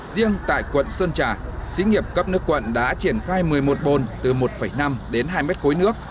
riêng tại quận sơn trà xí nghiệp cấp nước quận đã triển khai một mươi một bồn từ một năm đến hai mét khối nước